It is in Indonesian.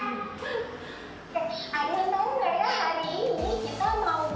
ada yang tau gak ya hari ini kita mau buat eksperimen apa ya